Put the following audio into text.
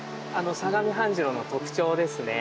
相模半白の特徴ですね。